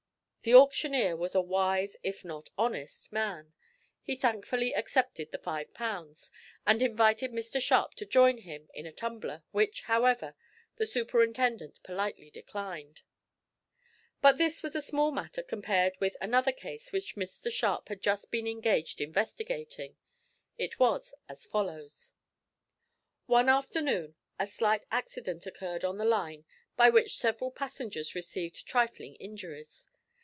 The auctioneer was a wise, if not an honest, man. He thankfully accepted the five pounds, and invited Mr Sharp to join him in a tumbler, which, however, the superintendent politely declined. But this was a small matter compared with another case which Mr Sharp had just been engaged investigating. It was as follows: One afternoon a slight accident occurred on the line by which several passengers received trifling injuries.